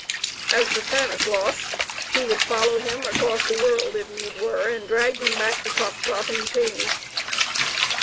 As for Stanislaus, he would follow him across the world, if need were, and drag him back to Kostkov in chains.